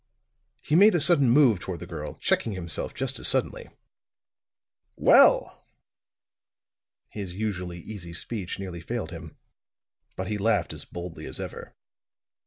He made a sudden move toward the girl, checking himself just as suddenly. "Well!" His usually easy speech nearly failed him. But he laughed as boldly as ever.